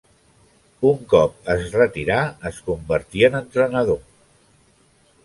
Un cop es retirà, es convertí en entrenador.